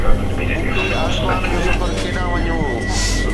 مون کي آسمان جو سفر ڪيڏانهن وڃڻو هو؟